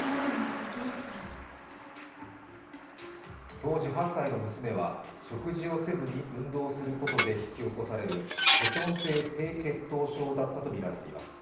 当時８歳の娘は、食事をせずに運動することで引き起こされるケトン性低血糖症だったとみられています。